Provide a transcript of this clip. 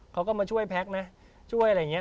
เขาก็มาช่วยแพ็คนะช่วยอะไรอย่างนี้